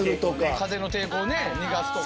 風の抵抗をね逃がすとか。